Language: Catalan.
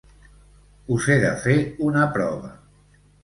Us he de fer una prova.